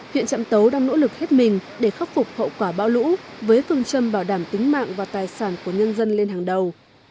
huyện trạm tấu đang nỗ lực hết mình để khắc phục hậu quả bão lũ với phương châm bảo đảm tính mạng và tài sản của nhân dân lên hàng đầu